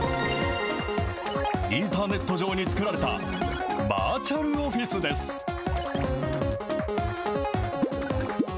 インターネット上に作られたバーチャルオフィスです。